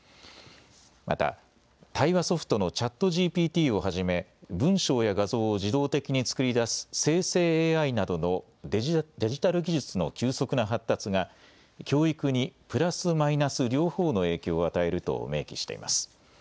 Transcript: また対話ソフトのチャットＧＰＴをはじめ文章や画像を自動的に作り出す生成ＡＩなどのデジタル技術の急速な発達が教育にプラス・マイナス両方の影響を与えると明記しています。